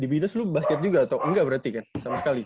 di binus lu basket juga atau enggak berarti kan sama sekali